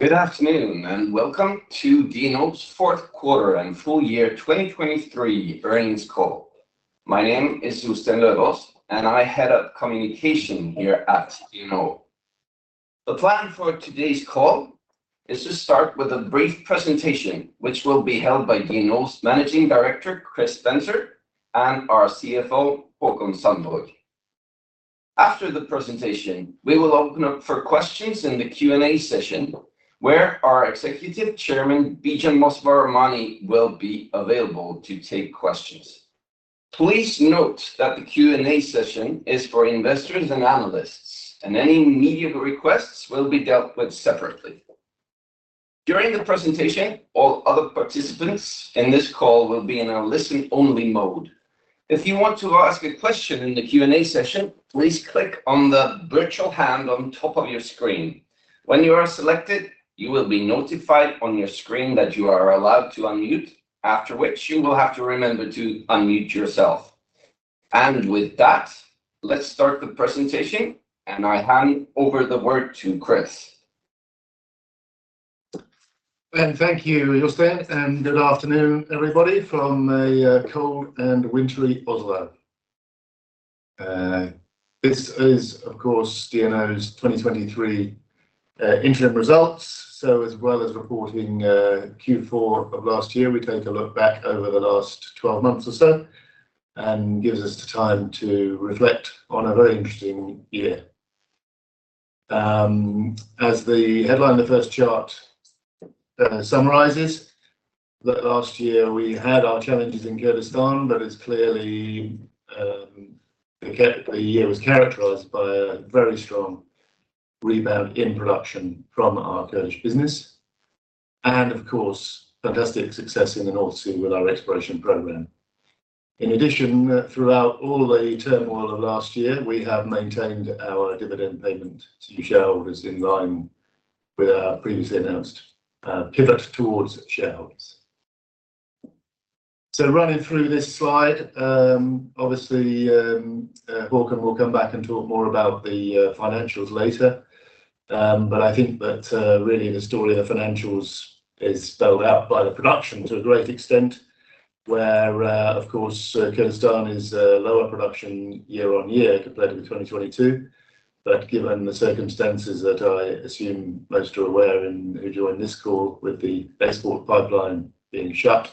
Good afternoon, and welcome to DNO's Q4 and Full Year 2023 Earnings Call. My name is Jostein Løvås, and I head up communication here at DNO. The plan for today's call is to start with a brief presentation, which will be held by DNO's Managing Director, Chris Spencer, and our CFO, Haakon Sandborg. After the presentation, we will open up for questions in the Q&A session, where our Executive Chairman, Bijan Mossavar-Rahmani, will be available to take questions. Please note that the Q&A session is for investors and analysts, and any media requests will be dealt with separately. During the presentation, all other participants in this call will be in a listen-only mode. If you want to ask a question in the Q&A session, please click on the virtual hand on top of your screen. When you are selected, you will be notified on your screen that you are allowed to unmute, after which you will have to remember to unmute yourself. With that, let's start the presentation, and I hand over the word to Chris. Thank you, Jostein, and good afternoon, everybody, from a cold and wintry Oslo. This is, of course, DNO's 2023 interim results. So as well as reporting Q4 of last year, we take a look back over the last 12 months or so, and gives us the time to reflect on a very interesting year. As the headline, the first chart summarizes that last year we had our challenges in Kurdistan, but it's clearly the year was characterized by a very strong rebound in production from our Kurdish business, and of course, fantastic success in the North Sea with our exploration program. In addition, throughout all the turmoil of last year, we have maintained our dividend payment to shareholders in line with our previously announced pivot towards shareholders. So running through this slide, obviously, Haakon will come back and talk more about the financials later. But I think that really the story of financials is spelled out by the production to a great extent, where of course Kurdistan is a lower production year-on-year compared to 2022. But given the circumstances that I assume most are aware and who joined this call with the Export pipeline being shut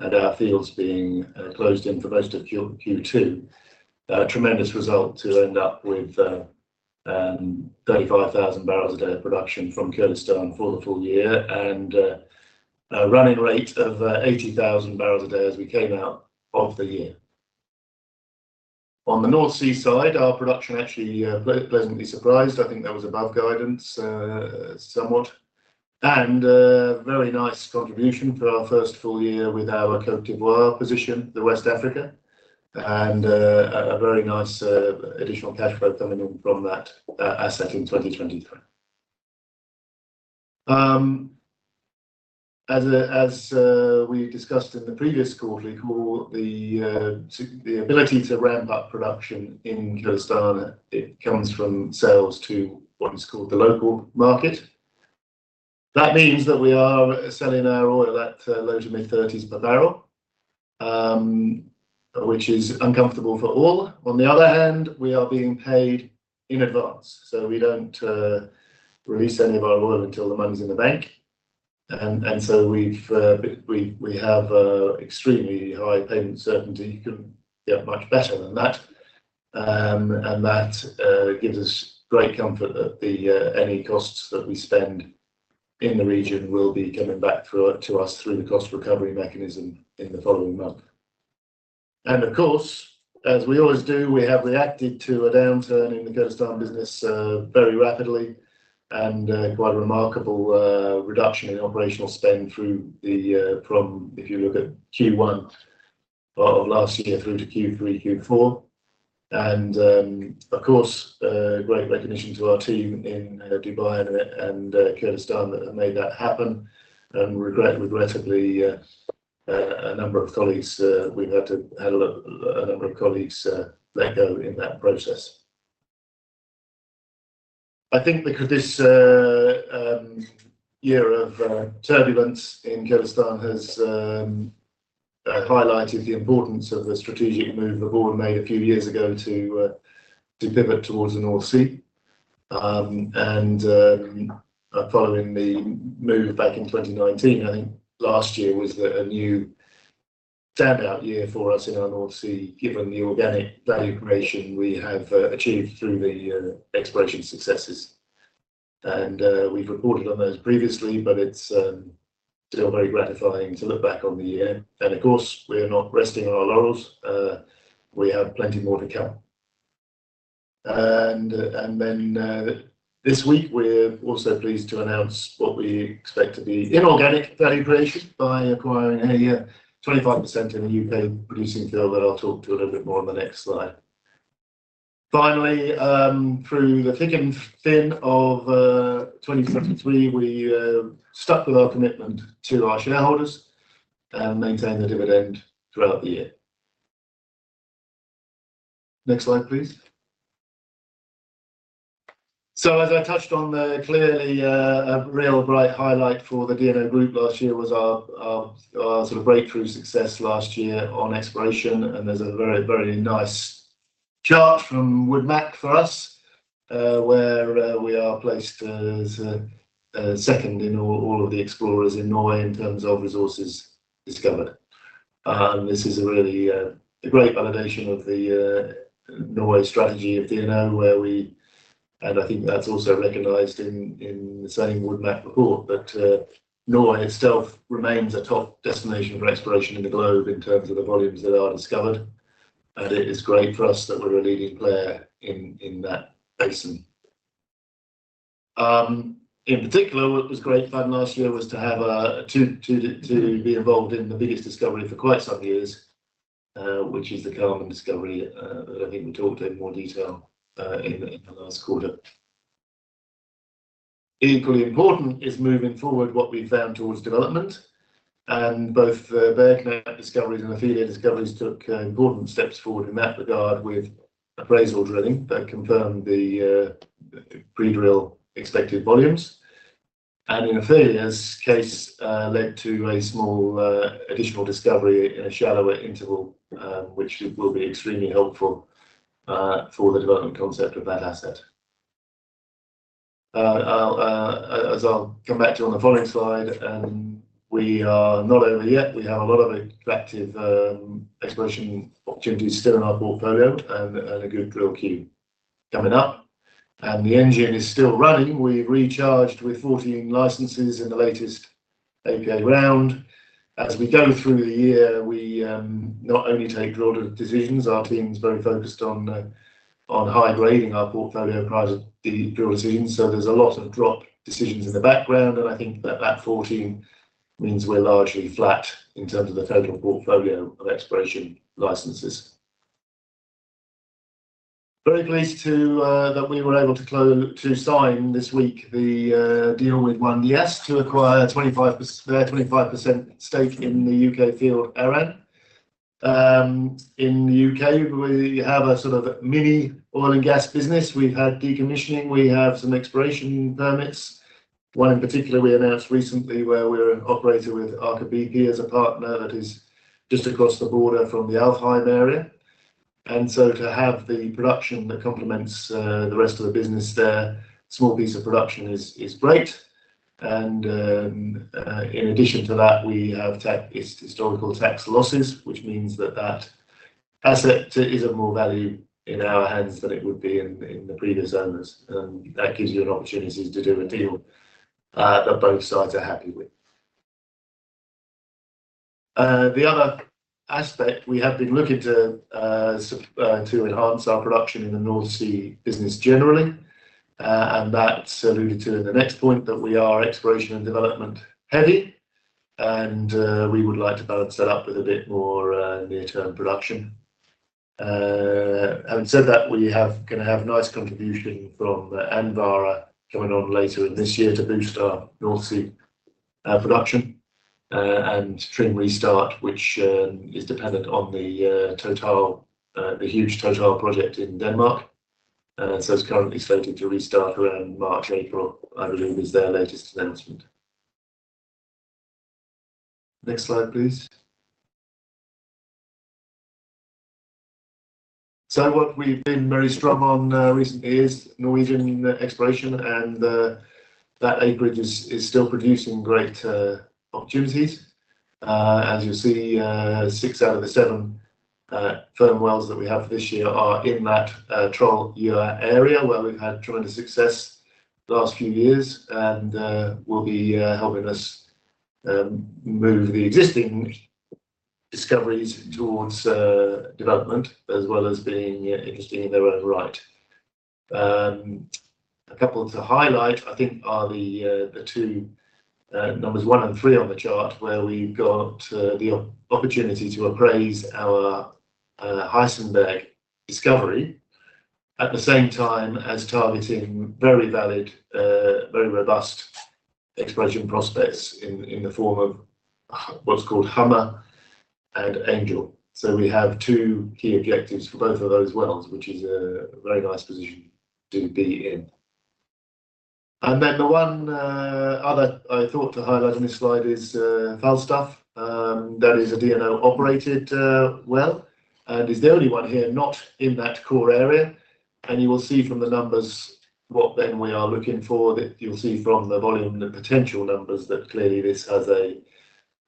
and our fields being closed in for most of Q2, a tremendous result to end up with 35,000 bpd of production from Kurdistan for the full year and a running rate of 80,000 bpd as we came out of the year. On the North Sea side, our production actually pleasantly surprised. I think that was above guidance, somewhat, and a very nice contribution for our first full year with our Côte d'Ivoire position, the West Africa, and a very nice additional cash flow coming in from that asset in 2023. As we discussed in the previous quarterly call, the ability to ramp up production in Kurdistan, it comes from sales to what is called the local market. That means that we are selling our oil at low-to-mid-30s per barrel, which is uncomfortable for all. On the other hand, we are being paid in advance, so we don't release any of our oil until the money's in the bank. And so we have extremely high payment certainty. You can get much better than that. And that gives us great comfort that the any costs that we spend in the region will be coming back through to us through the cost recovery mechanism in the following month. And of course, as we always do, we have reacted to a downturn in the Kurdistan business very rapidly and quite a remarkable reduction in operational spend from if you look at Q1 of last year through to Q3, Q4. And of course, a great recognition to our team in Dubai and Kurdistan that have made that happen. Regrettably, we've had to let go a number of colleagues in that process. I think because this year of turbulence in Kurdistan has highlighted the importance of the strategic move the board made a few years ago to pivot towards the North Sea. And following the move back in 2019, I think last year was a standout year for us in our North Sea, given the organic value creation we have achieved through the exploration successes. And we've reported on those previously, but it's still very gratifying to look back on the year. And of course, we're not resting on our laurels. We have plenty more to come. Then, this week, we're also pleased to announce what we expect to be inorganic value creation by acquiring a 25% in a U.K.-producing field that I'll talk to a little bit more on the next slide. Finally, through the thick and thin of 2023, we stuck with our commitment to our shareholders and maintained the dividend throughout the year. Next slide, please. As I touched on there, clearly, a real bright highlight for the DNO Group last year was our sort of breakthrough success last year on exploration. And there's a very, very nice chart from Woodmac for us, where we are placed as second in all of the explorers in Norway in terms of resources discovered. And this is a really a great validation of the Norway strategy of DNO, where we—and I think that's also recognized in the same Woodmac report, that Norway itself remains a top destination for exploration in the globe in terms of the volumes that are discovered. And it is great for us that we're a leading player in that basin. In particular, what was great fun last year was to have to be involved in the biggest discovery for quite some years, which is the Carmen discovery, that I think we talked in more detail in the last quarter. Equally important is moving forward what we found towards development, and both the Berling discoveries and Ofelia discoveries took important steps forward in that regard with appraisal drilling that confirmed the pre-drill expected volumes. In Ofelia's case, led to a small, additional discovery in a shallower interval, which will be extremely helpful, for the development concept of that asset. As I'll come back to on the following slide, we are not over yet. We have a lot of attractive, exploration opportunities still in our portfolio and a good drill queue coming up, and the engine is still running. We've recharged with 14 licenses in the latest APA round. As we go through the year, we not only take drill decisions, our team's very focused on high-grading our portfolio prior to the drill season. So there's a lot of drop decisions in the background, and I think that 14 means we're largely flat in terms of the total portfolio of exploration licenses. Very pleased that we were able to sign this week the deal with ONE-Dyas to acquire 25%, their 25% stake in the U.K. field Arran. In the U.K. we have a sort of mini oil and gas business. We've had decommissioning, we have some exploration permits. One in particular we announced recently, where we're an operator with Aker BP as a partner that is just across the border from the Alvheim area. And so to have the production that complements the rest of the business there, small piece of production is great. And in addition to that, we have historical tax losses, which means that that asset is of more value in our hands than it would be in the previous owners. That gives you an opportunity to do a deal, that both sides are happy with. The other aspect we have been looking to enhance our production in the North Sea business generally, and that's alluded to in the next point, that we are exploration and development heavy, and we would like to balance that up with a bit more near-term production. Having said that, we have gonna have nice contribution from Andvare coming on later in this year to boost our North Sea production, and Trym restart, which is dependent on the Total, the huge Total project in Denmark. So it's currently slated to restart around March, April, I believe, is their latest announcement. Next slide, please. So what we've been very strong on recent years, Norwegian exploration and that acreage is still producing great opportunities. As you'll see, six out of the seven firm wells that we have this year are in that Troll area, where we've had tremendous success the last few years and will be helping us move the existing discoveries towards development, as well as being interesting in their own right. A couple to highlight, I think, are the two numbers one and three on the chart, where we've got the opportunity to appraise our Heisenberg discovery. At the same time as targeting very valid very robust exploration prospects in the form of what's called Hummer and Angel. So we have two key objectives for both of those wells, which is a very nice position to be in. And then the one other I thought to highlight on this slide is Falstaff. That is a DNO-operated well, and is the only one here not in that core area. And you will see from the numbers what then we are looking for, that you'll see from the volume and the potential numbers, that clearly we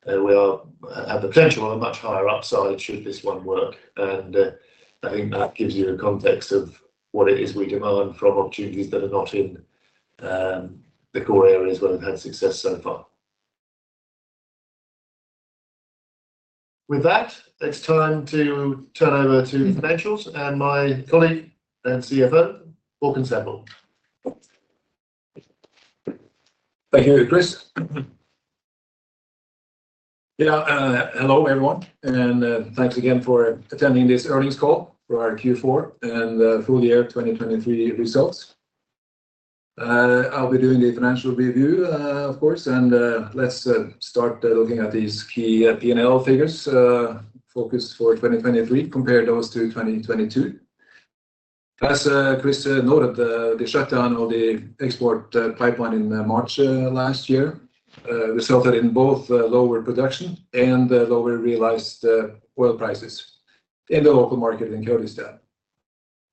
have the potential of a much higher upside should this one work. And I think that gives you the context of what it is we demand from opportunities that are not in the core areas where we've had success so far. With that, it's time to turn over to financials and my colleague and CFO, Haakon Sandborg. Thank you, Chris. Yeah, hello, everyone, and thanks again for attending this earnings call for our Q4 and full year 2023 results. I'll be doing the financial review, of course, and, let's start looking at these key P&L figures, focus for 2023, compare those to 2022. As Chris noted, the shutdown of the export pipeline in March last year resulted in both lower production and lower realized oil prices in the local market in Kurdistan.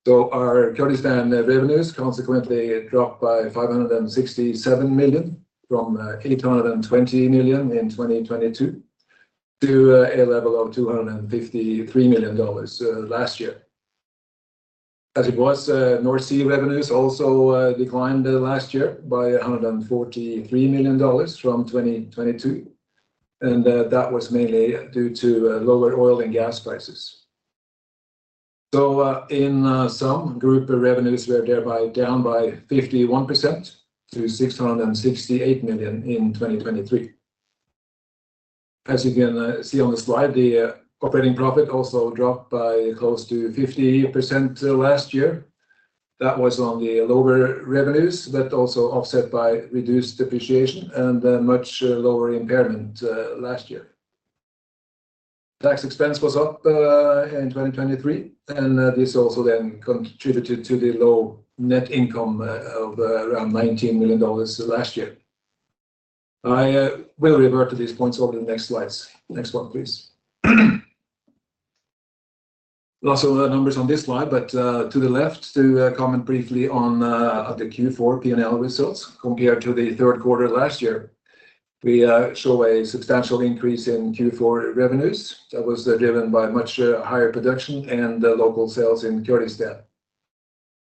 So our Kurdistan revenues consequently dropped by $567 million from $820 million in 2022 to a level of $253 million last year. As it was, North Sea revenues also declined last year by $143 million from 2022, and that was mainly due to lower oil and gas prices. In sum, group revenues were thereby down by 51% to $668 million in 2023. As you can see on the slide, the operating profit also dropped by close to 50% last year. That was on the lower revenues, but also offset by reduced depreciation and a much lower impairment last year. Tax expense was up in 2023, and this also then contributed to the low net income of around $19 million last year. I will revert to these points over the next slides. Next one, please. Lots of numbers on this slide, but to the left to comment briefly on the Q4 P&L results compared to the Q3 last year. We show a substantial increase in Q4 revenues. That was driven by much higher production and local sales in Kurdistan.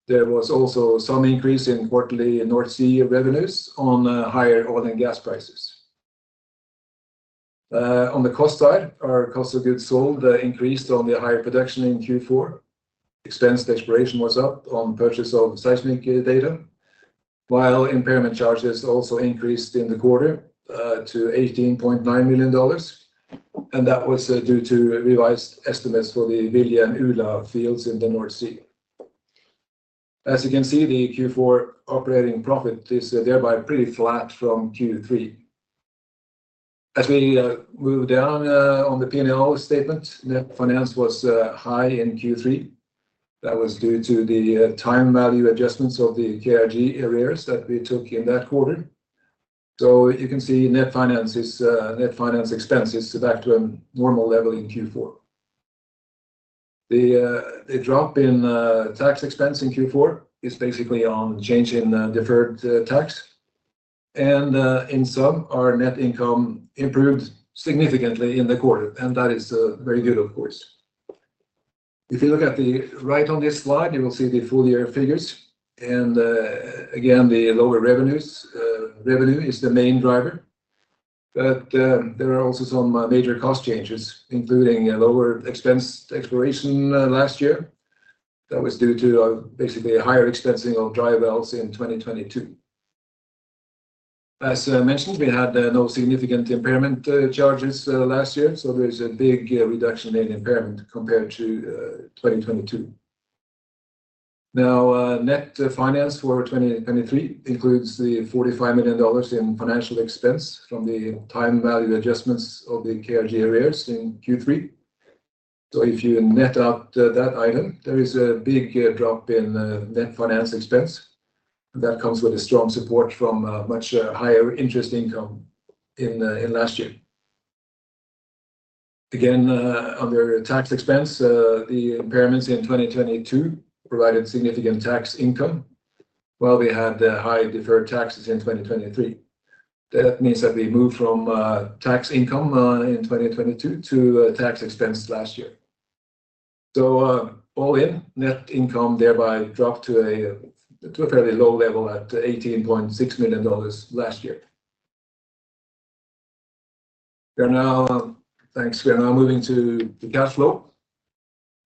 There was also some increase in quarterly North Sea revenues on higher oil and gas prices. On the cost side, our cost of goods sold increased on the higher production in Q4. Exploration expense was up on purchase of seismic data, while impairment charges also increased in the quarter to $18.9 million, and that was due to revised estimates for the Vilje and Ula fields in the North Sea. As you can see, the Q4 operating profit is thereby pretty flat from Q3. As we move down on the P&L statement, net finance was high in Q3. That was due to the time value adjustments of the KRG arrears that we took in that quarter. So you can see net finances, net finance expenses are back to a normal level in Q4. The drop in tax expense in Q4 is basically on change in deferred tax, and in sum, our net income improved significantly in the quarter, and that is very good, of course. If you look at the right on this slide, you will see the full year figures, and again, the lower revenues, revenue is the main driver. But there are also some major cost changes, including a lower expense exploration last year. That was due to basically a higher expensing of dry wells in 2022. As mentioned, we had no significant impairment charges last year, so there is a big reduction in impairment compared to 2022. Now, net finance for 2023 includes the $45 million in financial expense from the time value adjustments of the KRG arrears in Q3. So if you net out that item, there is a big drop in net finance expense. That comes with a strong support from much higher interest income in in last year. Again, under tax expense, the impairments in 2022 provided significant tax income, while we had high deferred taxes in 2023. That means that we moved from tax income in 2022 to tax expense last year. So, all in, net income thereby dropped to a to a fairly low level at $18.6 million last year. Thanks. We are now moving to the cash flow,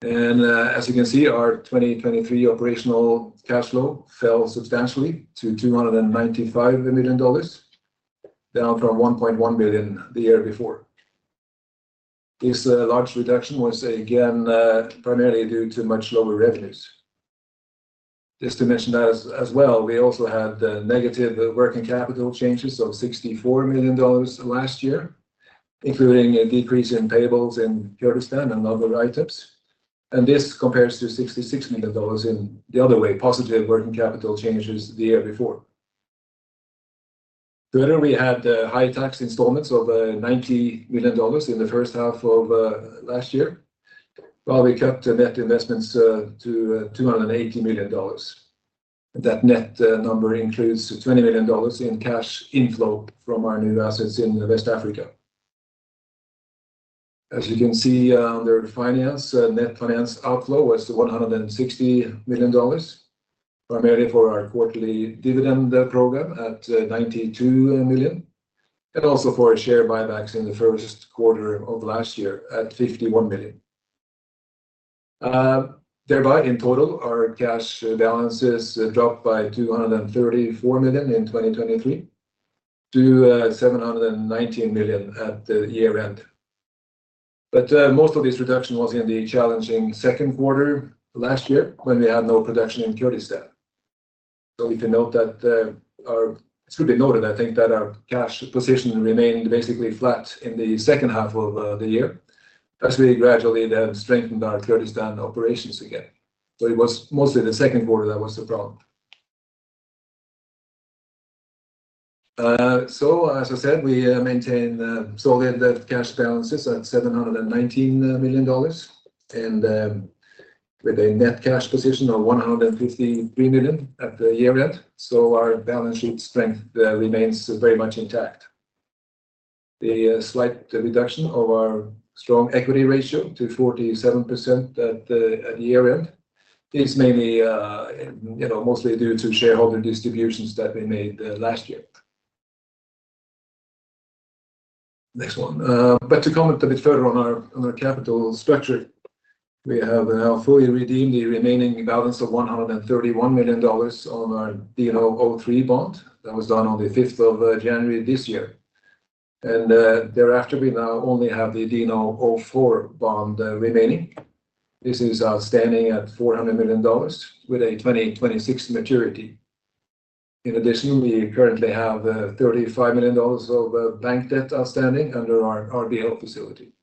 and, as you can see, our 2023 operational cash flow fell substantially to $295 million, down from $1.1 billion the year before. This, large reduction was, again, primarily due to much lower revenues. Just to mention that as, as well, we also had, negative working capital changes of $64 million last year, including a decrease in payables in Kurdistan and other items, and this compares to $66 million in the other way, positive working capital changes the year before. Further, we had, high tax installments of, $90 million in the H1 of, last year, while we kept net investments to $280 million. That net number includes $20 million in cash inflow from our new assets in West Africa. As you can see, under finance, net finance outflow was to $160 million, primarily for our quarterly dividend program at $92 million, and also for our share buybacks in the Q1 of last year at $51 million. Thereby, in total our cash balances dropped by $234 million in 2023 to $719 million at the year end. But most of this reduction was in the challenging Q2 last year, when we had no production in Kurdistan. It should be noted, I think, that our cash position remained basically flat in the H2 of the year, as we gradually then strengthened our Kurdistan operations again. So it was mostly the Q2 that was the problem. So as I said, we maintained solid cash balances at $719 million, and with a net cash position of $153 million at the year end, so our balance sheet strength remains very much intact. The slight reduction of our strong equity ratio to 47% at the year end is mainly, you know, mostly due to shareholder distributions that we made last year. Next one. But to comment a bit further on our capital structure, we have now fully redeemed the remaining balance of $131 million on our DNO 03 bond. That was done on the fifth of January this year, and thereafter, we now only have the DNO 04 bond remaining. This is outstanding at $400 million with a 2026 maturity. In addition, we currently have $35 million of bank debt outstanding under our RBL facility.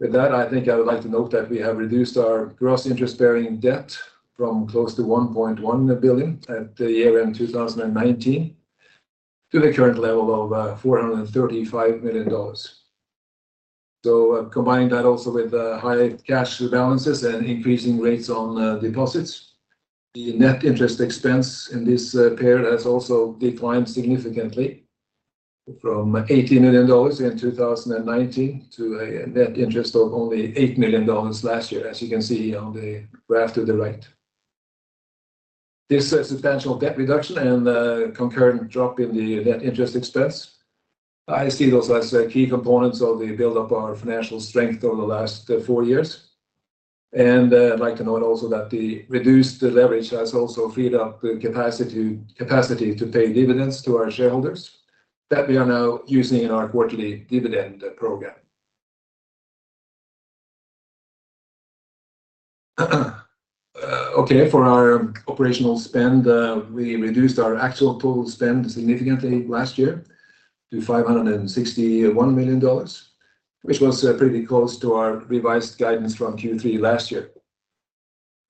With that, I think I would like to note that we have reduced our gross interest-bearing debt from close to $1.1 billion at year-end 2019, to the current level of $435 million. So combining that also with high cash balances and increasing rates on deposits, the net interest expense in this period has also declined significantly from $80 million in 2019 to a net interest of only $8 million last year, as you can see on the graph to the right. This substantial debt reduction and concurrent drop in the net interest expense, I see those as key components of the buildup of our financial strength over the last 4 years. And I'd like to note also that the reduced leverage has also freed up the capacity to pay dividends to our shareholders that we are now using in our quarterly dividend program. Okay, for our operational spend, we reduced our actual total spend significantly last year to $561 million, which was pretty close to our revised guidance from Q3 last year.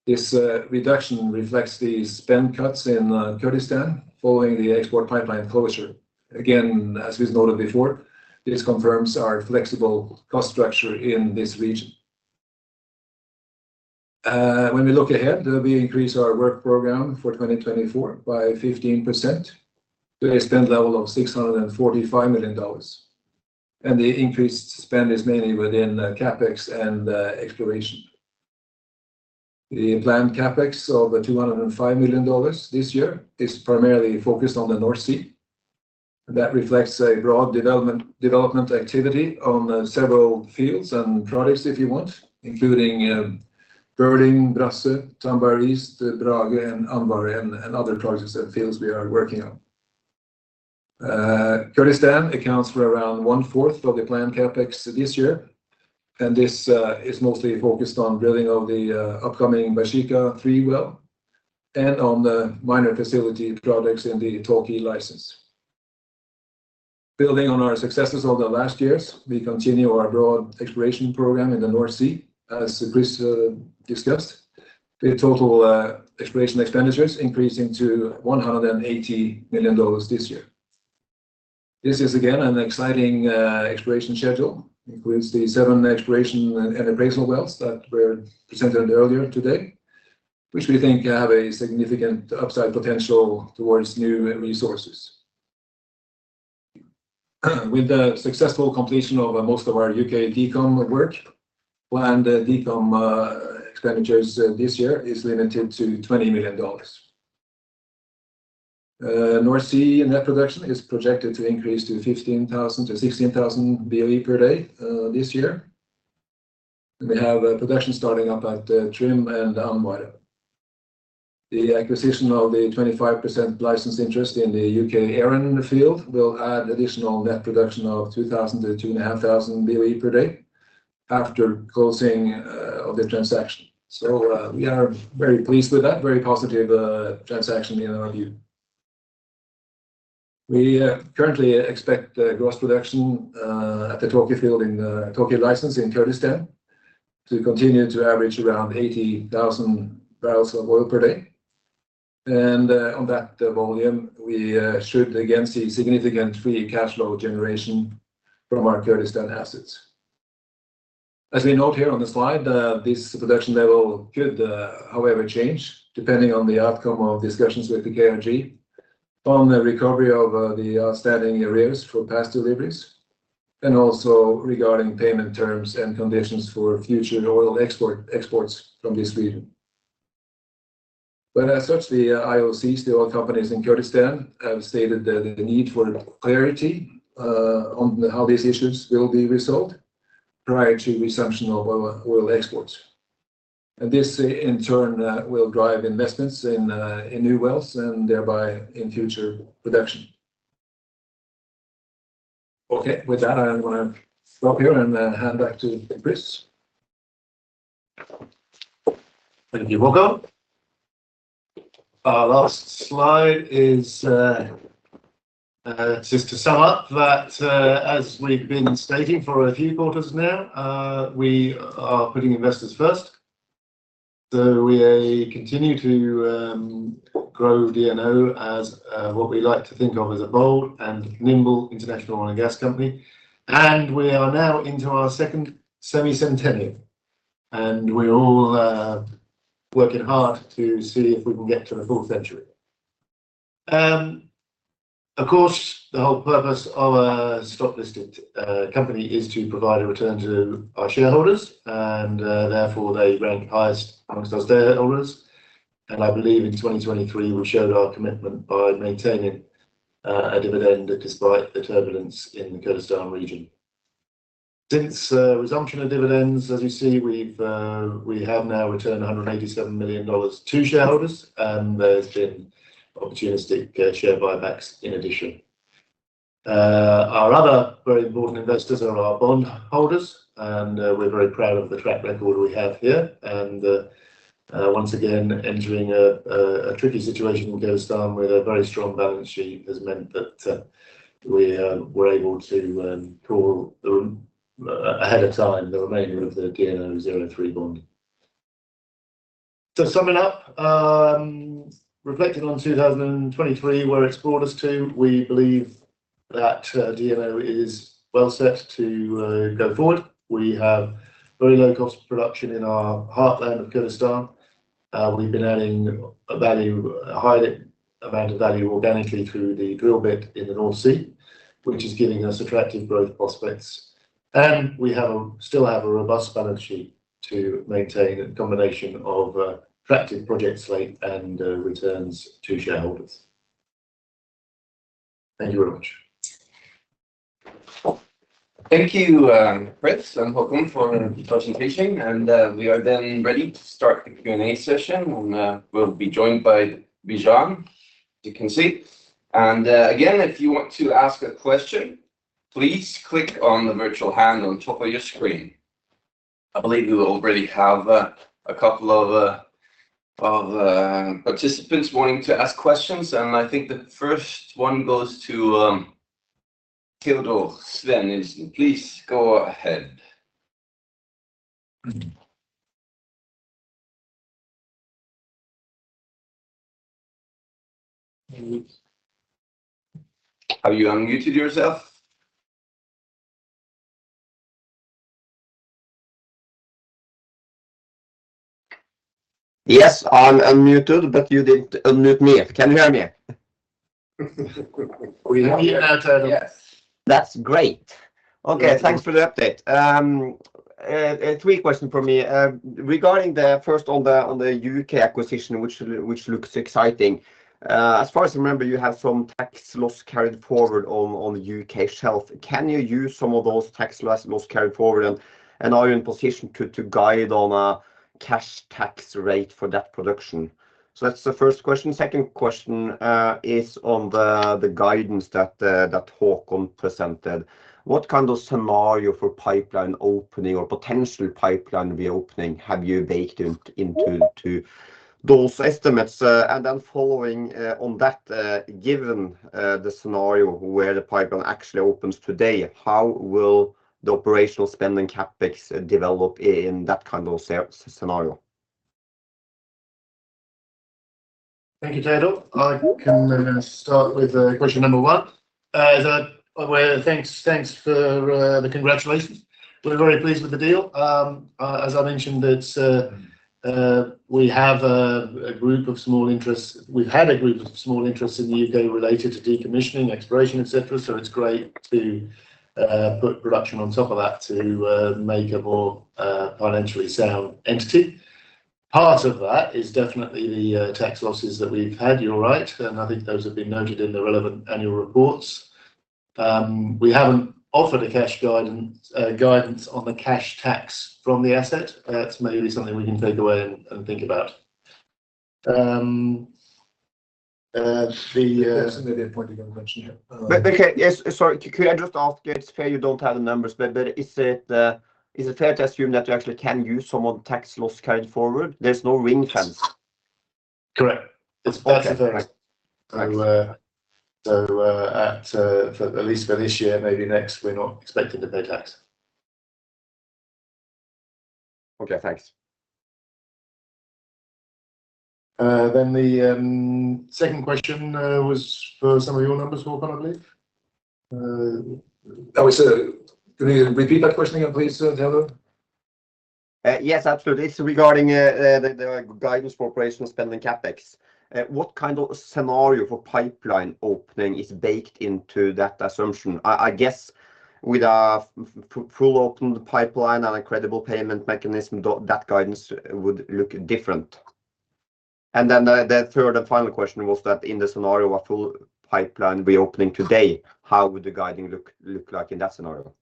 This reduction reflects the spend cuts in Kurdistan following the export pipeline closure. Again, as we've noted before, this confirms our flexible cost structure in this region. When we look ahead, we increase our work program for 2024 by 15% to a spend level of $645 million, and the increased spend is mainly within CapEx and exploration. The planned CapEx of $205 million this year is primarily focused on the North Sea, and that reflects a broad development activity on several fields and projects, if you want, including Berling, Brasse, Tambar East, Brage, and Andvare, and other projects and fields we are working on. Kurdistan accounts for around 1/4 of the planned CapEx this year, and this is mostly focused on drilling of the upcoming Bashika-3 well and on the minor facility projects in the Tawke license. Building on our successes over the last years, we continue our broad exploration program in the North Sea. As Chris discussed, the total exploration expenditures increasing to $180 million this year. This is again, an exciting, exploration schedule, includes the seven exploration and appraisal wells that were presented earlier today, which we think have a significant upside potential towards new resources. With the successful completion of most of our UK DECOM work, planned, DECOM, expenditures this year is limited to $20 million. North Sea net production is projected to increase to 15,000 to 16,000 BOE per day this year, and we have production starting up at Trym and Andvare. The acquisition of the 25% license interest in the U.K. Arran field will add additional net production of 2,000 to 2,500 BOE per day after closing, of the transaction. So, we are very pleased with that, very positive, transaction in our view. We currently expect gross production at the Tawke field in Tawke license in Kurdistan to continue to average around 80,000 bpd. On that volume, we should again see significant free cash flow generation from our Kurdistan assets. As we note here on the slide, this production level could, however, change depending on the outcome of discussions with the KRG on the recovery of the outstanding arrears for past deliveries, and also regarding payment terms and conditions for future oil exports from this region. As such, the IOCs, the oil companies in Kurdistan, have stated that the need for clarity on how these issues will be resolved prior to resumption of our oil exports. This in turn will drive investments in new wells and thereby in future production. Okay, with that, I want to stop here and then hand back to Chris. Thank you, Haakon. Our last slide is just to sum up that, as we've been stating for a few quarters now, we are putting investors first. So we continue to grow DNO as what we like to think of as a bold and nimble international oil and gas company. And we are now into our second semi-centennial, and we're all working hard to see if we can get to a full century. Of course, the whole purpose of a stock-listed company is to provide a return to our shareholders, and therefore, they rank highest amongst our stakeholders. And I believe in 2023, we showed our commitment by maintaining a dividend despite the turbulence in the Kurdistan region. Since resumption of dividends, as you see, we have now returned $187 million to shareholders, and there's been opportunistic share buybacks in addition. Our other very important investors are our bond holders, and we're very proud of the track record we have here. Once again, entering a tricky situation in Kurdistan with a very strong balance sheet has meant that we were able to call ahead of time the remainder of the DNO zero three bond. So summing up, reflecting on 2023, where it's brought us to, we believe that DNO is well set to go forward. We have very low-cost production in our heartland of Kurdistan. We've been adding value, a high amount of value organically through the drill bit in the North Sea, which is giving us attractive growth prospects. We still have a robust balance sheet to maintain a combination of attractive project slate and returns to shareholders. Thank you very much. Thank you, Chris and Haakon, for presenting, and we are then ready to start the Q&A session, and we'll be joined by Bijan, as you can see. Again, if you want to ask a question, please click on the virtual hand on top of your screen. I believe we already have a couple of participants wanting to ask questions, and I think the first one goes to Teodor Sveen-Nilsen. Please go ahead. Have you unmuted yourself? Yes, I'm unmuted, but you didn't unmute me. Can you hear me? We hear you. Yes. That's great. Okay, thanks for the update. Three questions from me. Regarding the first on the U.K. acquisition, which looks exciting. As far as I remember, you have some tax loss carried forward on the UK shelf. Can you use some of those tax loss carried forward, and are you in position to guide on a cash tax rate for that production? So that's the first question. Second question is on the guidance that Haakon presented. What kind of scenario for pipeline opening or potential pipeline reopening have you baked into those estimates? And then following on that, given the scenario where the pipeline actually opens today, how will the operational spend and CapEx develop in that kind of scenario? Thank you, Teodor. I can start with question number one. Well, thanks for the congratulations. We're very pleased with the deal. As I mentioned, it's we have a group of small interests. We've had a group of small interests in the UK related to decommissioning, exploration, et cetera, so it's great to put production on top of that to make a more financially sound entity. Part of that is definitely the tax losses that we've had. You're right, and I think those have been noted in the relevant annual reports. We haven't offered cash guidance on the cash tax from the asset. That's maybe something we can take away and think about. That's maybe a point you can mention here. Okay, yes, sorry. Could I just ask, it's fair you don't have the numbers, but, but is it fair to assume that you actually can use some of the tax loss carried forward? There's no ring-fence. Correct. That's the case. [inaudible] So, for at least this year, maybe next, we're not expecting to pay tax. Okay, thanks. Then the second question was for some of your numbers, Haakon, I believe? Can you repeat that question again, please, Teodor? Yes, absolutely. It's regarding the guidance for operational spend and CapEx. What kind of scenario for pipeline opening is baked into that assumption? I guess with a fully opened pipeline and a credible payment mechanism, that guidance would look different. And then the third and final question was that in the scenario, a full pipeline reopening today, how would the guidance look like in that scenario?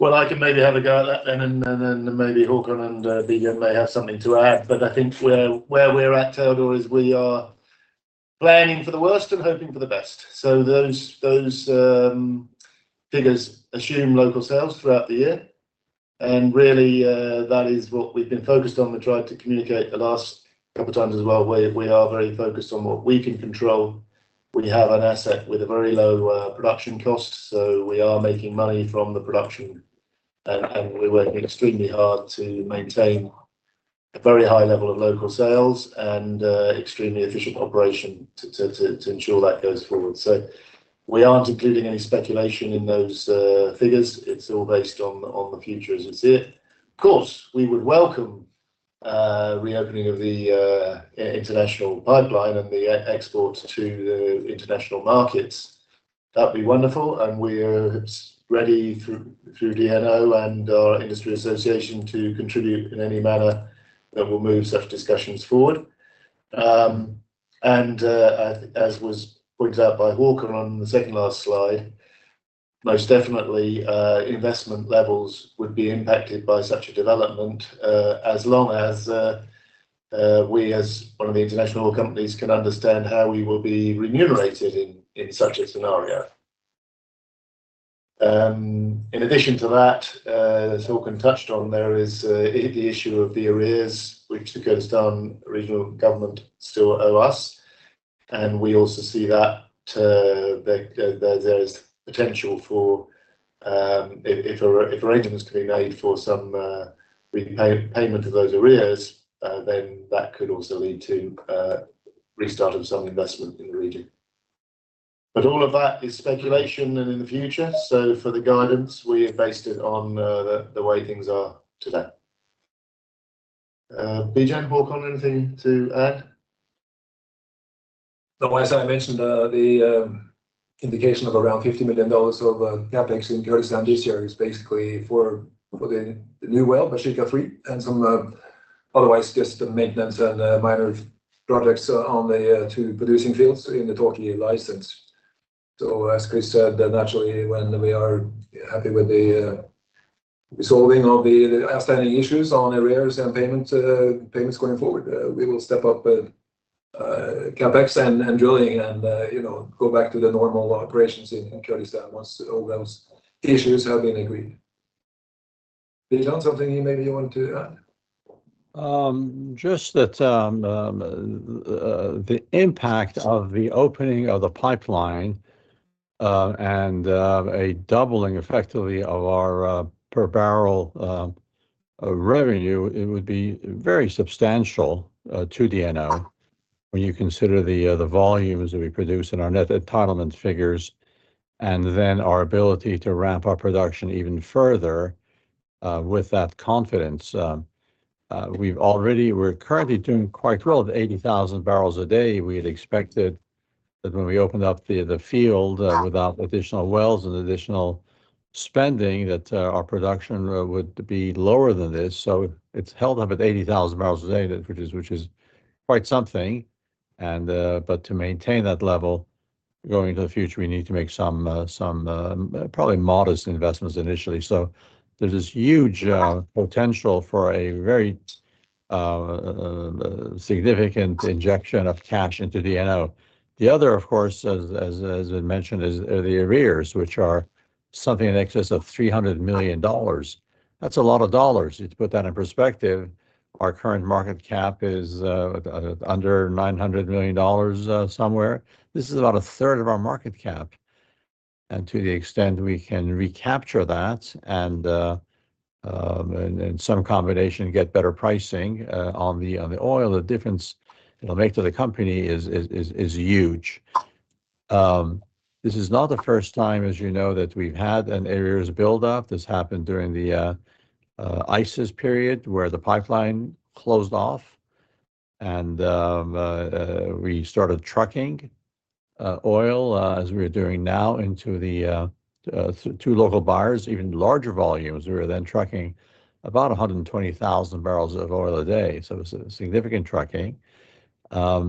Well, I can maybe have a go at that then, and then Haakon and B.J. may have something to add, but I think where we're at, Teodor, is we are planning for the worst and hoping for the best. So those figures assume local sales throughout the year, and really, that is what we've been focused on and tried to communicate the last couple of times as well. We are very focused on what we can control. We have an asset with a very low production cost, so we are making money from the production, and we're working extremely hard to maintain a very high level of local sales and extremely efficient operation to ensure that goes forward. So we aren't including any speculation in those figures. It's all based on the future as we see it. Of course, we would welcome reopening of the international pipeline and the exports to the international markets. That'd be wonderful, and we're ready through DNO and our industry association to contribute in any manner that will move such discussions forward. As was pointed out by Haakon on the second last slide, most definitely, investment levels would be impacted by such a development, as long as we, as one of the international companies, can understand how we will be remunerated in such a scenario. In addition to that, as Haakon touched on, there is the issue of the arrears, which the Kurdistan Regional Government still owe us, and we also see that there is potential for, if arrangements can be made for some repayment of those arrears, then that could also lead to restart of some investment in the region. But all of that is speculation and in the future, so for the guidance, we have based it on the way things are today. B.J. and Haakon, anything to add? No, as I mentioned, the indication of around $50 million of CapEx in Kurdistan this year is basically for the new well, Bashika 3, and some otherwise just the maintenance and minor projects on the two producing fields in the Tawke license. So as Chris said, naturally, when we are happy with the resolving of the outstanding issues on arrears and payments going forward, we will step up CapEx and drilling and you know, go back to the normal operations in Kurdistan once all those issues have been agreed. B.J., is there something you maybe you want to add? Just that, the impact of the opening of the pipeline and a doubling effectively of our per barrel revenue, it would be very substantial to DNO when you consider the volumes that we produce and our net entitlement figures, and then our ability to ramp up production even further with that confidence. We're currently doing quite well at 80,000 bpd. We had expected that when we opened up the field without additional wells and additional spending, that our production would be lower than this. So it's held up at 80,000 bpd, which is quite something, but to maintain that level going into the future, we need to make some probably modest investments initially. So there's this huge potential for a very significant injection of cash into DNO. The other, of course, as I mentioned, is the arrears, which are something in excess of $300 million. That's a lot of dollars. To put that in perspective, our current market cap is under $900 million, somewhere. This is about a third of our market cap, and to the extent we can recapture that and some combination get better pricing on the oil, the difference it'll make to the company is huge. This is not the first time, as you know, that we've had an arrears build-up. This happened during the ISIS period, where the pipeline closed off, and we started trucking oil, as we're doing now, into the two local buyers, even larger volumes. We were then trucking about 120,000 barrels of oil a day, so it was a significant trucking. But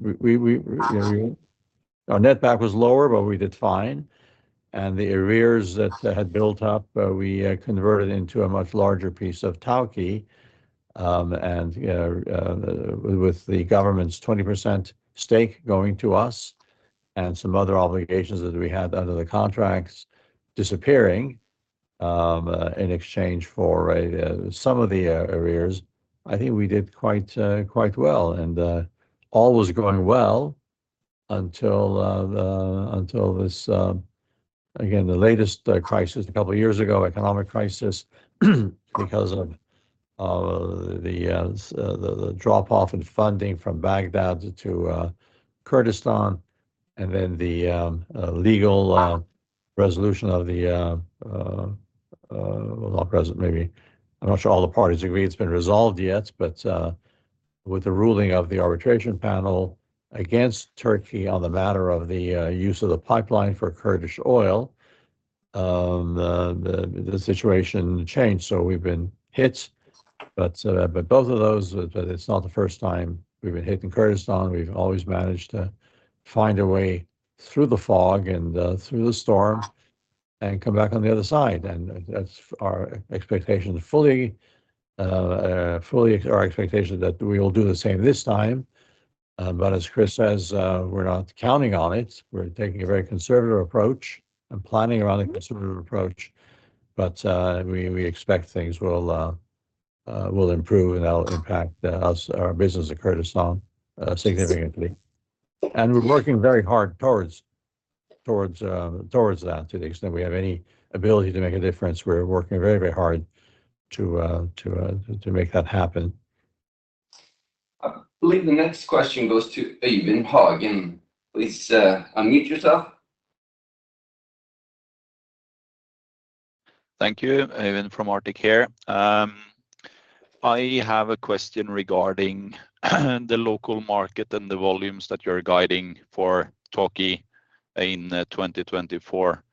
we, you know, our netback was lower, but we did fine, and the arrears that had built up, we converted into a much larger piece of Tawke. And, you know, with the government's 20% stake going to us and some other obligations that we had under the contracts disappearing, in exchange for some of the arrears, I think we did quite well. All was going well until this, again, the latest crisis a couple of years ago, economic crisis, because of the drop-off in funding from Baghdad to Kurdistan, and then the legal resolution of the [inaudible] maybe. I'm not sure all the parties agree it's been resolved yet, but with the ruling of the arbitration panel against Turkey on the matter of the use of the pipeline for Kurdish oil, the situation changed. So we've been hit, but both of those, but it's not the first time we've been hit in Kurdistan. We've always managed to find a way through the fog and, through the storm and come back on the other side, and that's our expectation, fully, fully our expectation that we will do the same this time. But as Chris says, we're not counting on it. We're taking a very conservative approach and planning around a conservative approach, but, we, we expect things will, will improve and will impact us, our business in Kurdistan, significantly. And we're working very hard towards that to the extent we have any ability to make a difference, we're working very hard to make that happen. I believe the next question goes to Øyvind Hagen. Please, unmute yourself. Thank you. Øyvind from Arctic here. I have a question regarding the local market and the volumes that you're guiding for Tawke in 2024.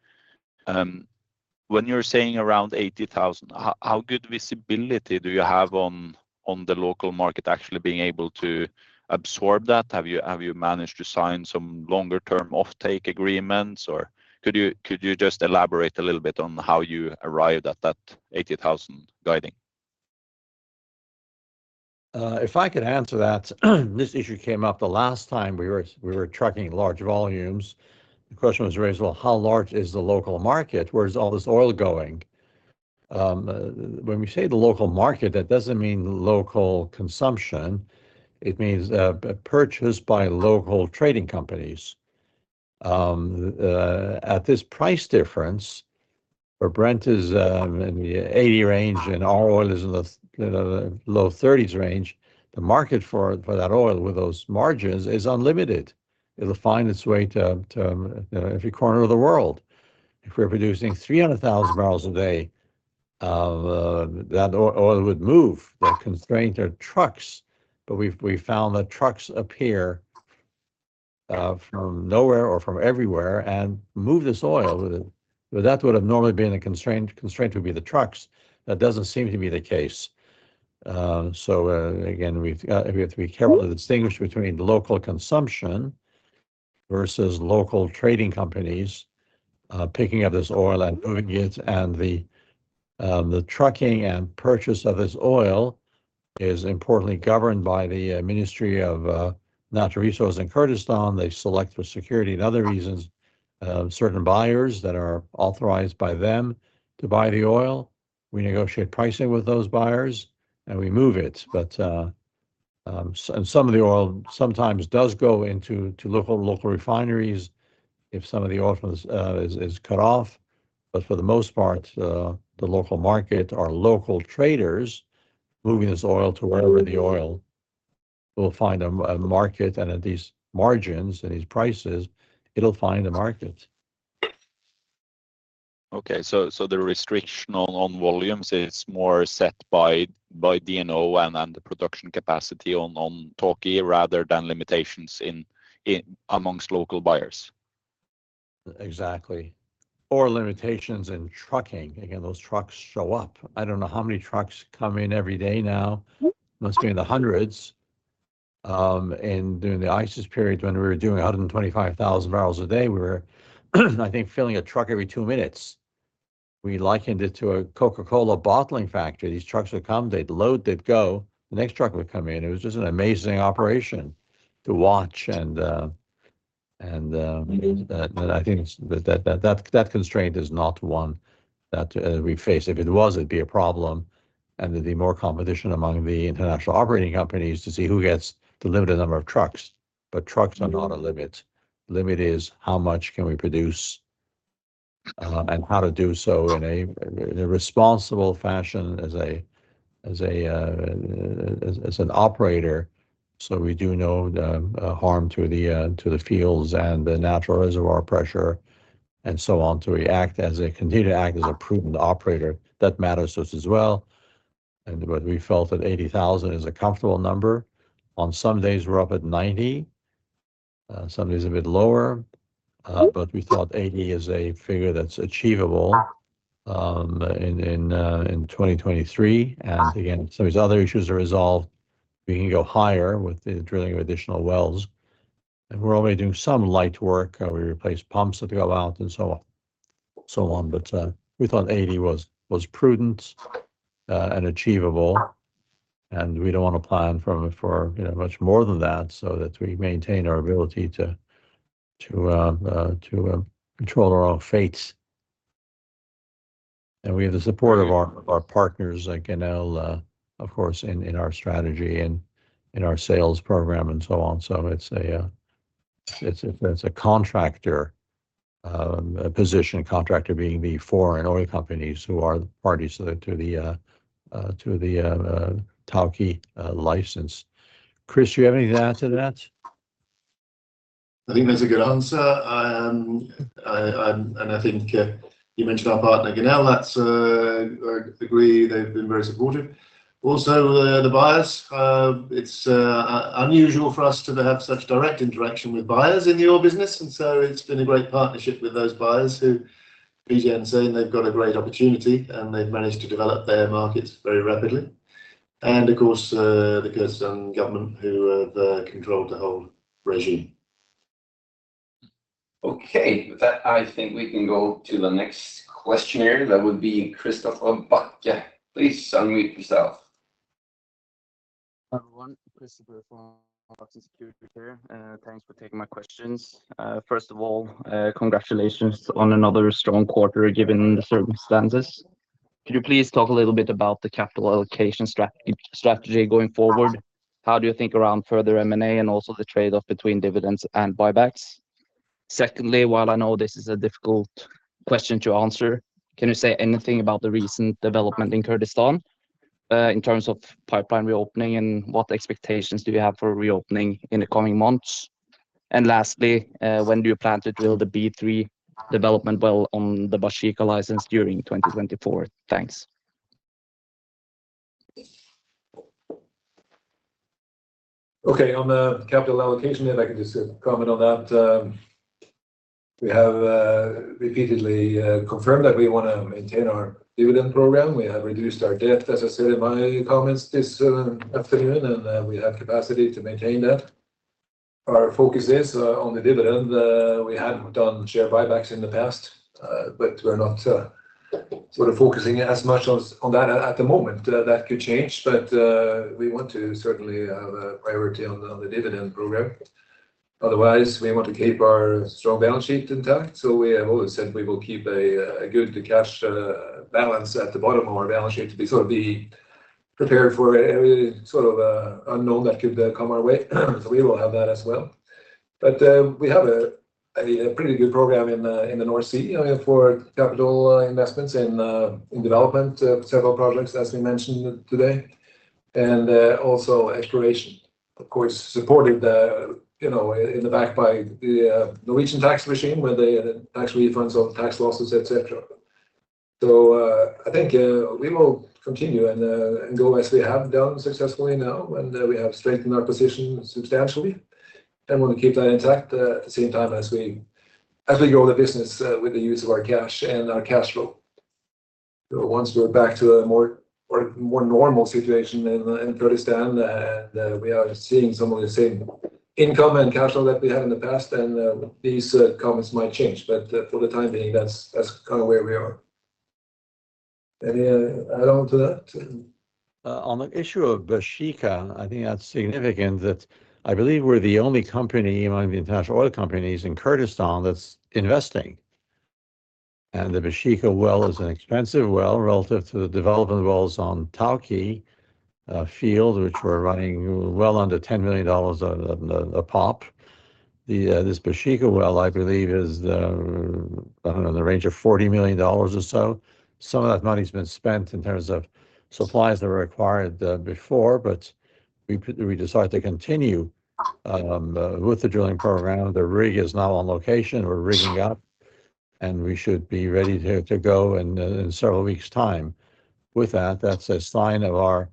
When you're saying around 80,000, how, how good visibility do you have on, on the local market actually being able to absorb that? Have you, have you managed to sign some longer-term offtake agreements or could you just elaborate a little bit on how you arrived at that 80,000 guiding? If I could answer that. This issue came up the last time we were trucking large volumes. The question was raised, "Well, how large is the local market? Where is all this oil going?" When we say the local market, that doesn't mean local consumption. It means a purchase by local trading companies. At this price difference, where Brent is in the $80 range and our oil is in the low $30s range, the market for that oil with those margins is unlimited. It'll find its way to every corner of the world. If we're producing 300,000 bpd, that oil would move. The constraint are trucks, but we've found that trucks appear from nowhere or from everywhere and move this oil. That would've normally been a constraint. Constraint would be the trucks. That doesn't seem to be the case. So, again, we have to be careful to distinguish between the local consumption versus local trading companies picking up this oil and moving it, and the trucking and purchase of this oil is importantly governed by the Ministry of Natural Resources in Kurdistan. They select for security and other reasons certain buyers that are authorized by them to buy the oil. We negotiate pricing with those buyers, and we move it. But some of the oil sometimes does go into local refineries if some of the oil is cut off, but for the most part, the local market are local traders moving this oil to wherever the oil will find a market, and at these margins and these prices, it'll find a market. Okay, so the restriction on volumes is more set by DNO and the production capacity on Tawke rather than limitations in amongst local buyers? Exactly, or limitations in trucking. Again, those trucks show up. I don't know how many trucks come in every day now. Must be in the hundreds. And during the ISIS period, when we were doing 125,000 bpd, we were, I think, filling a truck every two minutes. We likened it to a Coca-Cola bottling factory. These trucks would come, they'd load, they'd go, the next truck would come in. It was just an amazing operation to watch and I think that constraint is not one that we face. If it was, it'd be a problem, and there'd be more competition among the international operating companies to see who gets the limited number of trucks, but trucks are not a limit. Limit is, how much can we produce, and how to do so in a responsible fashion as an operator, so we do no harm to the fields and the natural reservoir pressure and so on. To continue to act as a proven operator. That matters to us as well, and but we felt that 80,000 is a comfortable number. On some days, we're up at 90, some days a bit lower, but we thought 80 is a figure that's achievable in 2023. And again, some of these other issues are resolved. We can go higher with the drilling of additional wells, and we're already doing some light work. We replace pumps that go out, and so on, so on. But we thought 80 was prudent and achievable, and we don't want to plan for, you know, much more than that, so that we maintain our ability to control our own fates. And we have the support of our partners, like, you know, of course, in our strategy and in our sales program and so on. So it's a contractor position, contractor being the foreign oil companies who are the parties to the Tawke license. Chris, do you have anything to add to that? I think that's a good answer. I, and I think, you mentioned our partner, Genel, that's, I agree, they've been very supportive. Also, the, the buyers, it's, unusual for us to have such direct interaction with buyers in the oil business, and so it's been a great partnership with those buyers who, Bijan saying they've got a great opportunity, and they've managed to develop their markets very rapidly. And of course, the Kurdistan government, who have, controlled the whole regime. Okay, with that, I think we can go to the next question here. That would be Kristofer Bäck. Yeah, please unmute yourself. Hi, everyone. Kristofer from Securitas here. Thanks for taking my questions. First of all, congratulations on another strong quarter, given the circumstances. Could you please talk a little bit about the capital allocation strategy going forward? How do you think around further M&A and also the trade-off between dividends and buybacks? Secondly, while I know this is a difficult question to answer, can you say anything about the recent development in Kurdistan, in terms of pipeline reopening, and what expectations do you have for reopening in the coming months? And lastly, when do you plan to drill the B-3 development well on the Bashika license during 2024? Thanks. Okay, on the capital allocation, if I could just comment on that. We have repeatedly confirmed that we want to maintain our dividend program. We have reduced our debt, as I said in my comments this afternoon, and we have capacity to maintain that. Our focus is on the dividend. We have done share buybacks in the past, but we're not sort of focusing as much on that at the moment. That could change, but we want to certainly have a priority on the dividend program. Otherwise, we want to keep our strong balance sheet intact, so we have always said we will keep a good cash balance at the bottom of our balance sheet to be sort of prepared for any sort of unknown that could come our way. So we will have that as well. But, we have a pretty good program in the North Sea for capital investments in development several projects, as we mentioned today, and also exploration, of course, supported, you know, in the back by the Norwegian tax regime, where they actually refund some tax losses, et cetera. So, I think, we will continue and go as we have done successfully now, and we have strengthened our position substantially and want to keep that intact, at the same time as we grow the business, with the use of our cash and our cash flow. So once we're back to a more, more normal situation in, in Kurdistan, and we are seeing some of the same income and cash flow that we had in the past, then these comments might change. But for the time being, that's, that's kind of where we are. Any add on to that? On the issue of Bashika, I think that's significant, that I believe we're the only company among the international oil companies in Kurdistan that's investing. And the Bashika well is an expensive well relative to the development wells on Tawke field, which we're running well under $10 million a pop. This Bashika well, I believe, is, I don't know, in the range of $40 million or so. Some of that money's been spent in terms of supplies that were required before, but we decided to continue with the drilling program. The rig is now on location. We're rigging up, and we should be ready to go in in several weeks' time. With that, that's a sign of our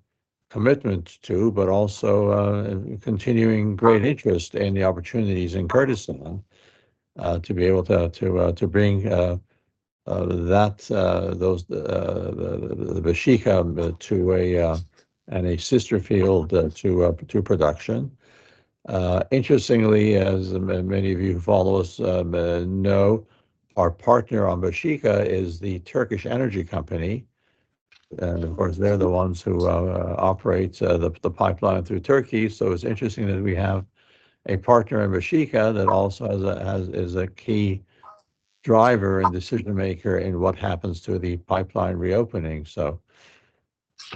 commitment to, but also, continuing great interest in the opportunities in Kurdistan, to be able to bring the Bashika and a sister field to production. Interestingly, as many of you who follow us know, our partner on Bashika is the Turkish Energy Company, and of course, they're the ones who operate the pipeline through Turkey. So it's interesting that we have a partner in Bashika that also is a key driver and decision maker in what happens to the pipeline reopening. So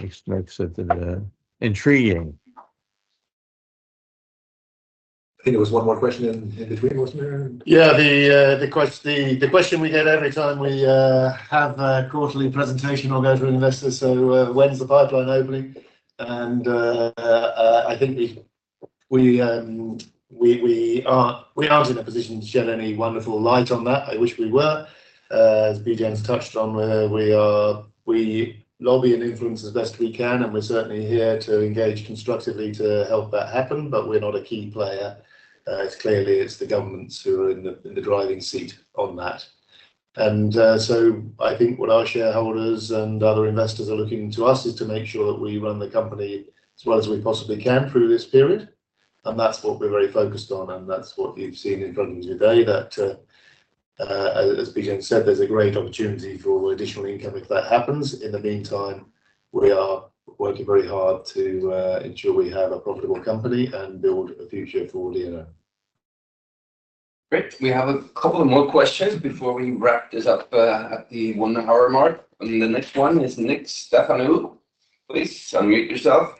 it makes it intriguing. I think there was one more question in between, wasn't there? Yeah, the question we get every time we have a quarterly presentation or go to investors, so when's the pipeline opening? And I think we aren't in a position to shed any wonderful light on that. I wish we were. As Bijan's touched on, we lobby and influence as best we can, and we're certainly here to engage constructively to help that happen, but we're not a key player. It's clearly the governments who are in the driving seat on that. So I think what our shareholders and other investors are looking to us is to make sure that we run the company as well as we possibly can through this period, and that's what we're very focused on, and that's what you've seen in front of you today. That, as Bijan said, there's a great opportunity for additional income if that happens. In the meantime, we are working very hard to ensure we have a profitable company and build a future for DNO. Great. We have a couple of more questions before we wrap this up, at the one-hour mark. The next one is Nick Stefanou. Please unmute yourself.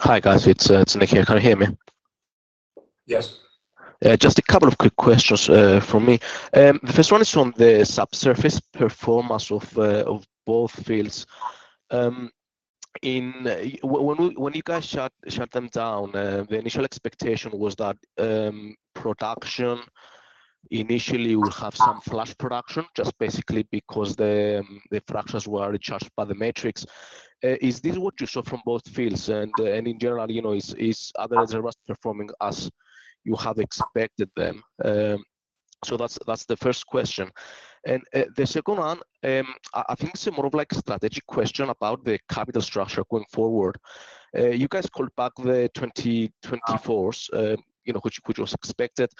Hi, guys, it's, it's Nick here. Can you hear me? Yes. Just a couple of quick questions from me. The first one is from the subsurface performance of both fields. When you guys shut them down, the initial expectation was that production initially would have some flush production, just basically because the fractures were recharged by the matrix. Is this what you saw from both fields? And in general, you know, are the reserves performing as you have expected them? So that's the first question. And the second one, I think it's more of like a strategic question about the capital structure going forward. You guys called back the 2024s, you know, which was expected.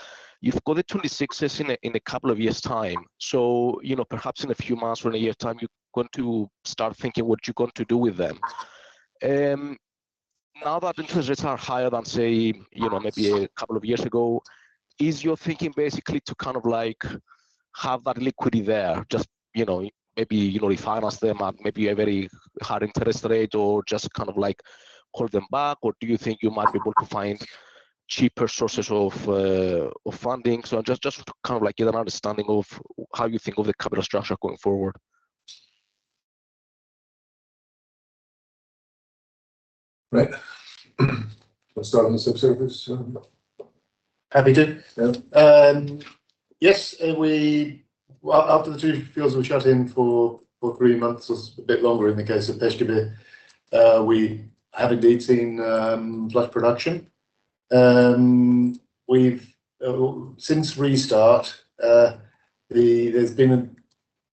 You've got the 2026s in a couple of years' time. So, you know, perhaps in a few months or a year's time, you're going to start thinking what you're going to do with them. Now that interest rates are higher than, say, you know, maybe a couple of years ago, is your thinking basically to kind of like have that liquidity there, just, you know, maybe, you know, refinance them at maybe a very hard interest rate, or just kind of like call them back? Or do you think you might be able to find cheaper sources of, of funding? So just to kind of like get an understanding of how you think of the capital structure going forward. Right. Let's start on the subsurface. Happy to. Yeah. Yes, well, after the two fields were shut in for three months, or a bit longer in the case of Peshkabir, we have indeed seen flush production. We've since restart, there's been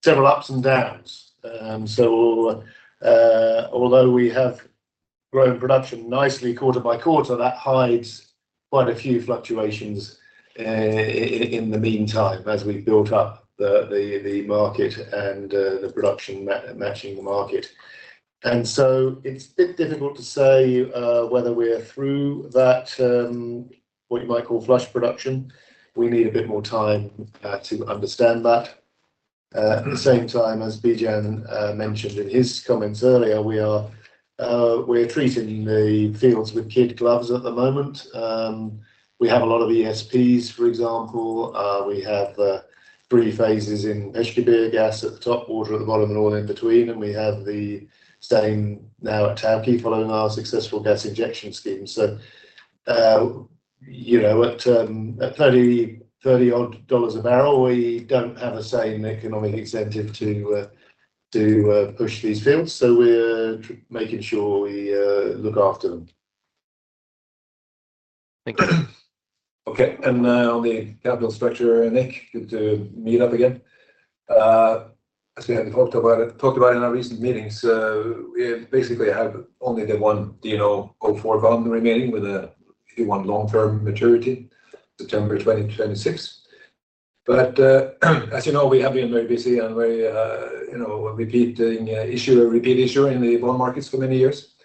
several ups and downs. So, although we have grown production nicely quarter by quarter, that hides quite a few fluctuations in the meantime, as we built up the market and the production matching the market. And so it's a bit difficult to say whether we're through that what you might call flush production. We need a bit more time to understand that. At the same time, as Bijan mentioned in his comments earlier, we are treating the fields with kid gloves at the moment. We have a lot of ESPs, for example. We have three phases in Peshkabir, gas at the top, water at the bottom, and all in between, and we have the same now at Tawke, following our successful gas injection scheme. So, you know, at $30, $30-odd a barrel, we don't have the same economic incentive to push these fields, so we're making sure we look after them. Thank you. Okay, and now on the capital structure, Nick, good to meet up again. As we have talked about, talked about in our recent meetings, we basically have only the one DNO 04 bond remaining with a one long-term maturity, September 2026. But, as you know, we have been very busy and very, you know, repeat issuer, repeat issuer in the bond markets for many years.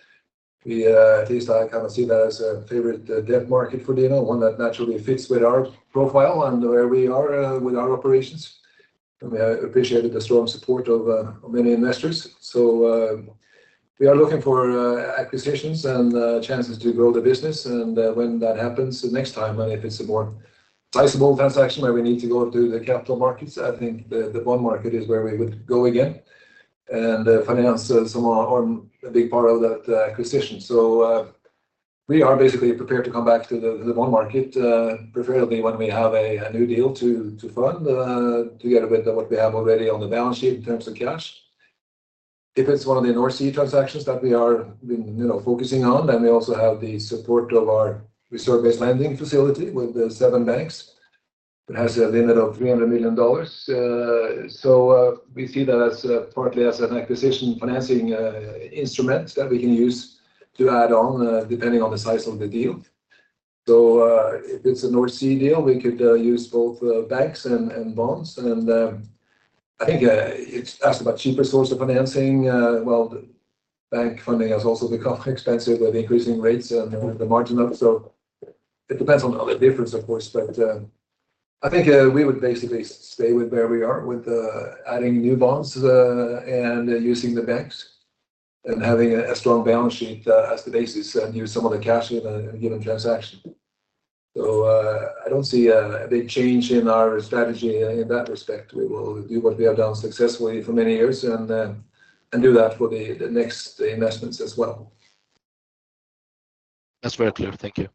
We, at least I kind of see that as a favorite, debt market for DNO, one that naturally fits with our profile and where we are, with our operations, and we have appreciated the strong support of, of many investors. We are looking for acquisitions and chances to grow the business, and when that happens the next time, and if it's a more sizable transaction where we need to go to the capital markets, I think the bond market is where we would go again, and finance some or a big part of that acquisition. We are basically prepared to come back to the bond market, preferably when we have a new deal to fund, together with what we have already on the balance sheet in terms of cash. If it's one of the North Sea transactions that we are being, you know, focusing on, then we also have the support of our reserve-based lending facility with the seven banks. It has a limit of $300 million. So, we see that as partly as an acquisition financing instrument that we can use to add on, depending on the size of the deal. So, if it's a North Sea deal, we could use both banks and bonds. And, I think you asked about cheaper source of financing. Well, bank funding has also become expensive with increasing rates and the margin up, so it depends on the difference, of course. But, I think we would basically stay with where we are with adding new bonds and using the banks and having a strong balance sheet as the basis, and use some of the cash in a given transaction. So, I don't see a big change in our strategy in that respect. We will do what we have done successfully for many years and do that for the next investments as well. That's very clear. Thank you.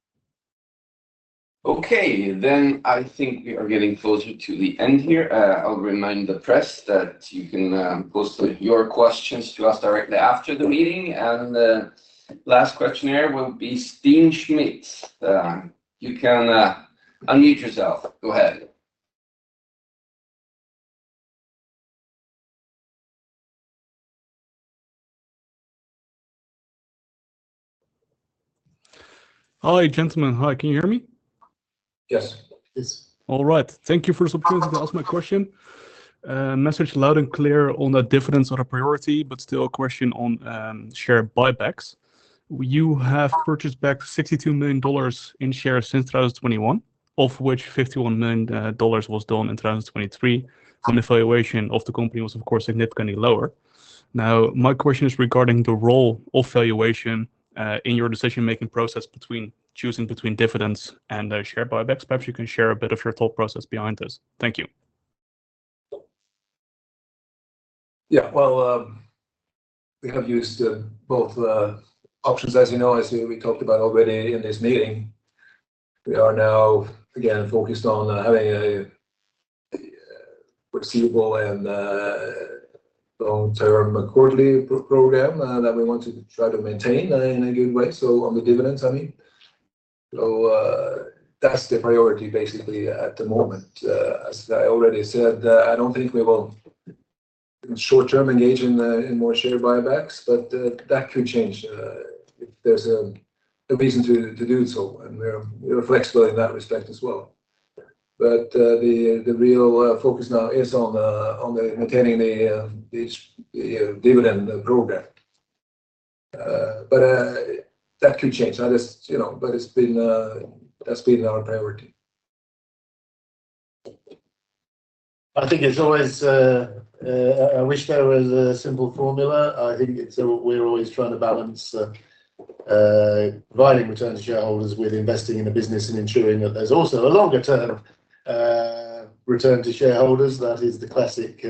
Okay. Then I think we are getting closer to the end here. I'll remind the press that you can post your questions to us directly after the meeting, and the last question here will be Steen Schmitz. You can unmute yourself. Go ahead. Hi, gentlemen. Hi, can you hear me? Yes. Yes. All right. Thank you for the opportunity to ask my question. Message loud and clear on the difference on a priority, but still a question on share buybacks. You have purchased back $62 million in shares since 2021, of which $51 million dollars was done in 2023, when the valuation of the company was, of course, significantly lower. Now, my question is regarding the role of valuation in your decision-making process between choosing between dividends and share buybacks. Perhaps you can share a bit of your thought process behind this. Thank you. Yeah, well, we have used both options, as you know, as we talked about already in this meeting. We are now, again, focused on having a foreseeable and long-term quarterly pro-program that we want to try to maintain in a good way. So on the dividends, I mean. So, that's the priority basically at the moment. As I already said, I don't think we will, in short term, engage in more share buybacks, but that could change if there's a reason to do so, and we're flexible in that respect as well. But the real focus now is on maintaining the dividend program. But that could change. I just, you know, but it's been, that's been our priority. I think it's always, I wish there was a simple formula. I think it's, we're always trying to balance, providing return to shareholders with investing in the business and ensuring that there's also a longer-term, return to shareholders. That is the classic,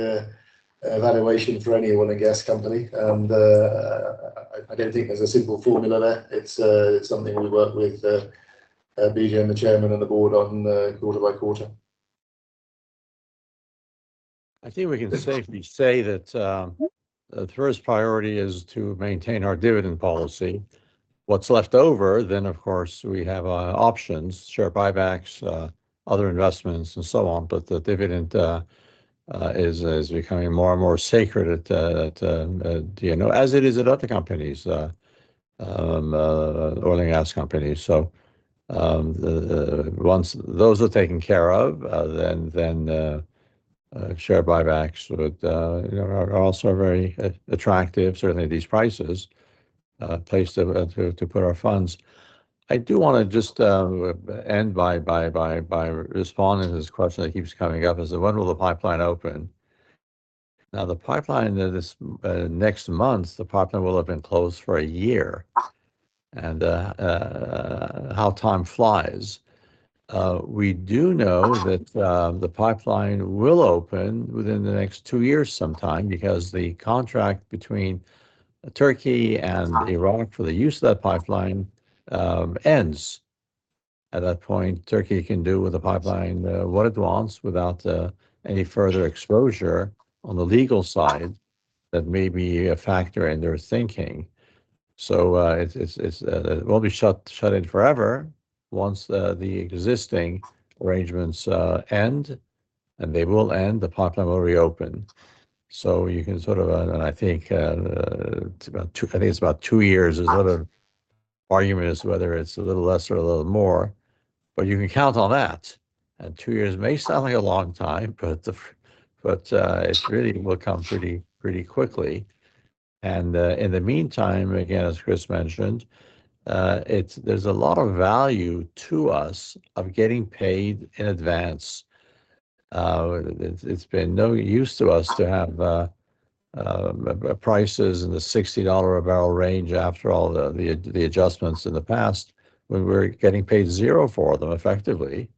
evaluation for any oil and gas company. And, I don't think there's a simple formula there. It's, something we work with, B.J. and the chairman and the board on, quarter by quarter. I think we can safely say that the first priority is to maintain our dividend policy. What's left over, then, of course, we have options, share buybacks, other investments, and so on. But the dividend is becoming more and more sacred at DNO, as it is at other oil and gas companies. So once those are taken care of, then share buybacks would, you know, are also very attractive, certainly at these prices, place to put our funds. I do wanna just end by responding to this question that keeps coming up, is that when will the pipeline open? Now, the pipeline next month, the pipeline will have been closed for a year. How time flies. We do know that the pipeline will open within the next two years sometime because the contract between Turkey and Iraq for the use of that pipeline ends. At that point, Turkey can do with the pipeline what it wants without any further exposure on the legal side that may be a factor in their thinking. So, it won't be shut in forever. Once the existing arrangements end, and they will end, the pipeline will reopen. So you can sort of and I think it's about two, I think it's about two years. There's another argument is whether it's a little less or a little more, but you can count on that. And two years may sound like a long time, but it really will come pretty, pretty quickly. And in the meantime, again, as Chris mentioned, there's a lot of value to us of getting paid in advance. It's been no use to us to have prices in the $60-a-barrel range after all the adjustments in the past, when we're getting paid $0 for them, effectively.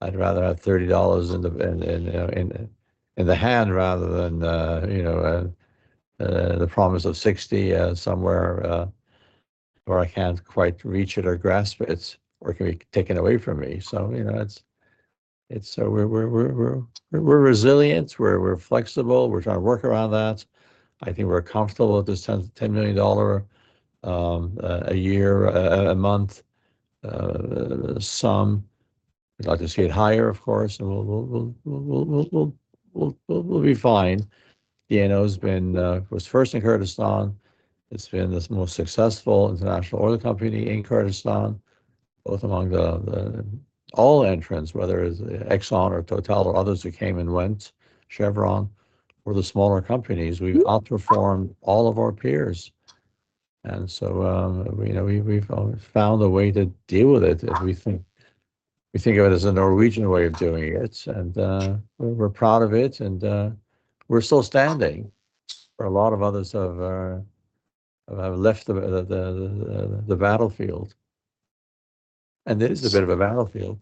I'd rather have $30 in the hand rather than, you know, the promise of $60 somewhere where I can't quite reach it or grasp it, or it can be taken away from me. So, you know, it's so we're resilient, we're flexible, we're trying to work around that. I think we're comfortable with this $10 million a month sum. We'd like to see it higher, of course, and we'll be fine. DNO has been first in Kurdistan. It's been the most successful international oil company in Kurdistan, both among all the entrants, whether it's Exxon or Total, or others who came and went, Chevron, or the smaller companies, we've outperformed all of our peers. And so, you know, we've found a way to deal with it, as we think of it as a Norwegian way of doing it. And we're proud of it, and we're still standing, where a lot of others have left the battlefield. And it is a bit of a battlefield.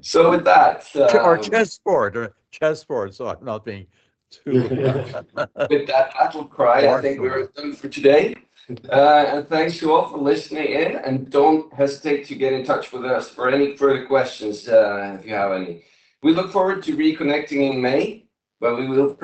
So with that, Or chessboard. So not being too, With that battle cry, I think we're done for today. Thank you all for listening in, and don't hesitate to get in touch with us for any further questions, if you have any. We look forward to reconnecting in May, but we will pres-